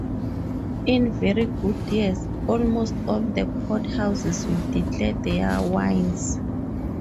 In very good years, almost all the port houses will Declare their wines.